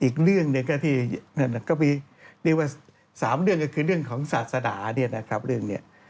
อีกเรื่องหนึ่งก็มีเรียกว่า๓เรื่องก็คือเรื่องของศาสนาเนี่ยนะครับเรื่องนี้